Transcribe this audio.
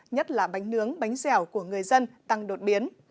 nhất là bánh nướng bánh dẻo của người dân tăng đột biến